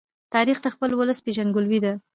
تاریخ د خپل ولس پېژندګلوۍ ده.